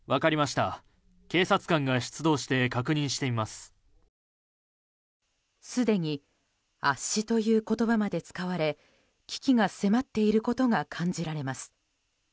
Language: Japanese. すでに圧死という言葉まで使われ危機が迫っていることが感じられます。